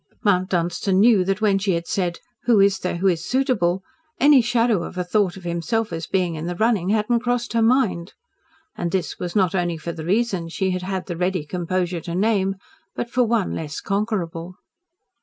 Mount Dunstan knew that when she had said, "Who is there who is suitable?" any shadow of a thought of himself as being in the running had not crossed her mind. And this was not only for the reasons she had had the ready composure to name, but for one less conquerable.